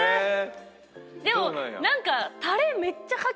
でも何か。